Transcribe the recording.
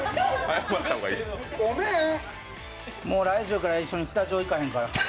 もう来週から一緒にスタジオ行かへんから。